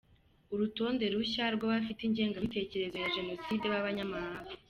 Urutonde rushya rw’abafite ingengabitekerezo ya Genocide b’abanyamahanga